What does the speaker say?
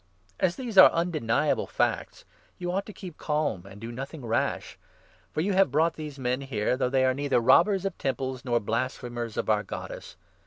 As these are undeniable facts, you ought to keep 36 calm and do nothing rash ; for you have brought these men 37 here, though they are neither robbers of Temples nor blasphe mers of our Goddess.